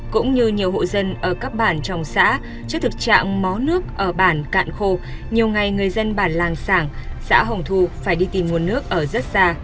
cũng như nhiều hộ dân ở các bản trong xã trước thực trạng mó nước ở bản cạn khô nhiều ngày người dân bản làng sảng xã hồng thu phải đi tìm nguồn nước ở rất xa